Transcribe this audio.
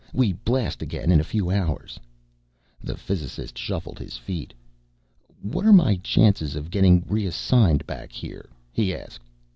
We blast again in a few hours." The physicist shuffled his feet. "What are my chances of getting re assigned back here?" he asked.